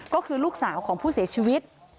ก็คือลูกสาวของผู้เสียชีวิต